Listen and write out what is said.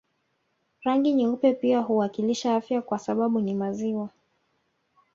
Rangi nyeupe pia huwakilisha afya kwa sababu ni maziwa